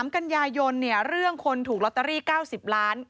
๓กันยายนเรื่องคนถูกลอตเตอรี่๙๐ล้าน